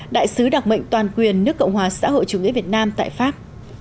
đại sứ đặc mệnh toàn quyền nước cộng hòa xã hội chủ nghĩa việt nam tại pháp